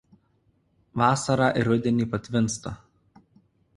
Vasarą ir rudenį patvinsta.